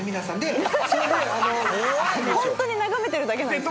ホントに眺めてるだけなんですね？